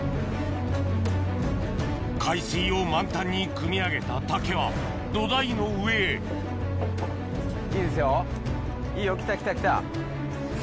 海水を満タンにくみ上げた竹は土台の上へいいですよいいよ来た来た来た。